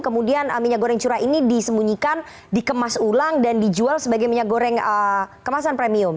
kemudian minyak goreng curah ini disembunyikan dikemas ulang dan dijual sebagai minyak goreng kemasan premium